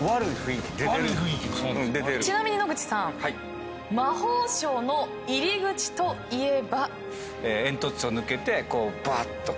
ちなみに野口さん魔法省の入り口といえば？